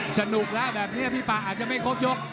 สนุกแล้วแบบนี้พี่ป่าอาจจะไม่ครบยก